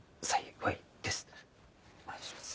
お願いします